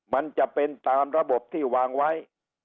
มันจะเป็นตามระบบที่วางไว้